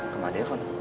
ke rumah depon